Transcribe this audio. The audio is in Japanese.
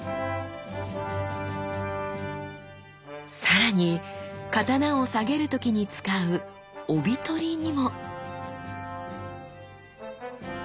さらに刀を下げる時に使う帯執にも！